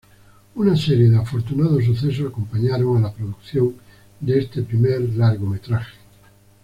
Una serie de afortunados sucesos acompañaron a la producción de este primer largometraje.